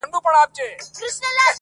دا د نور په تلاوت بې هوښه سوی دی,